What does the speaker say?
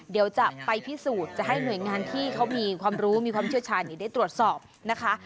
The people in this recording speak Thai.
เดี๋ยวจะไปพิสูจน์จะให้หน่วยงานที่เขามีความรู้มีความเชี่ยวชาญได้ตรวจสอบนะคะ